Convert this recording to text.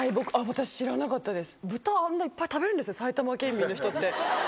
私知らなかったです。